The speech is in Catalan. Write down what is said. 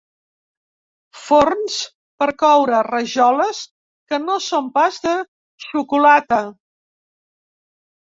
Forns per coure rajoles que no són pas de xocolata.